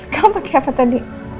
kamu pakai apa tadi